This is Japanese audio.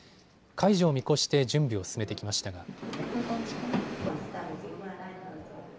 解除を見越して準備を進めてきましたが。